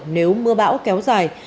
nếu mưa bão kéo dài